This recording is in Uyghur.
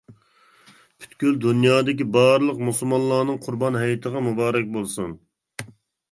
پۈتكۈل دۇنيادىكى بارلىق مۇسۇلمانلارنىڭ قۇربان ھېيتىغا مۇبارەك بولسۇن!